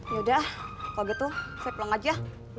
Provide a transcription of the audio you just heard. yaudah kalo gitu saya pelang aja